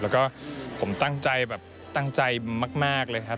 แล้วก็ผมตั้งใจมากเลยครับ